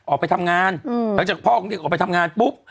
ออกไปทำงานหลังจากพ่อของเด็กออกไปทำงานปุ๊บ